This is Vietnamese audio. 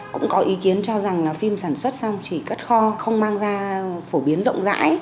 cũng có ý kiến cho rằng là phim sản xuất xong chỉ cất kho không mang ra phổ biến rộng rãi